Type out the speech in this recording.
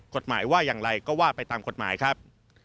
กฎหมายว่าอย่างไรก็ว่าไปตามกฎหมายครับ